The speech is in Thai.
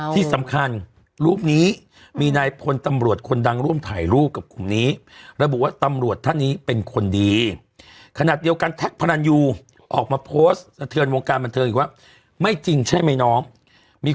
ที่สำคัญรูปนี้มีนายทพลตำรวจคนดั่งร่วมถ่ายรูปกับของนี้